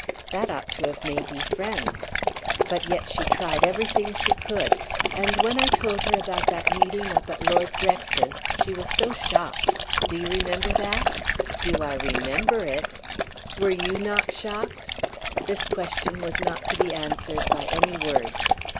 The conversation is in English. "That ought to have made you friends." "But yet she tried everything she could. And when I told her about that meeting up at Lord Grex's, she was so shocked! Do you remember that?" "Do I remember it!" "Were not you shocked?" This question was not to be answered by any word.